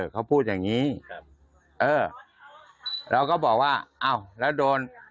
เขาพูดอย่างนี้เราก็บอกว่าแล้วโดน